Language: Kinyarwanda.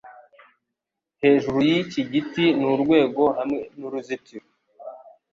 Hejuru yiki giti ni urwego hamwe nuruzitiro.